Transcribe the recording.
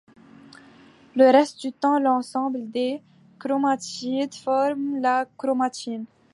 Le reste du temps, l'ensemble des chromatides forme la chromatine.